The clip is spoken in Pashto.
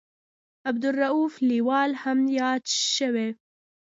عبدالرووف لیوال هم یاد شوی.